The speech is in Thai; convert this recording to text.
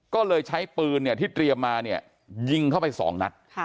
ก็เลยใช้ปืนที่เตรียมมาเนี่ยยิงเข้าไป๒นัด